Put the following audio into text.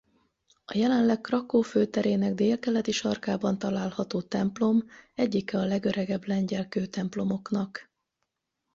A jelenleg Krakkó főterének délkeleti sarkában található templom egyike a legöregebb lengyel kőtemplomoknak.